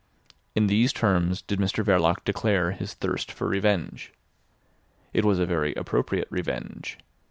In these terms did Mr Verloc declare his thirst for revenge. It was a very appropriate revenge.